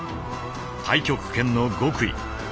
太極拳の極意化